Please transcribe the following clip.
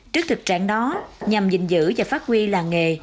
trước thực trạng đó nhằm giữ và phát huy làng nghề